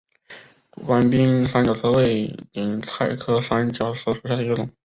短柄三角车为堇菜科三角车属下的一个种。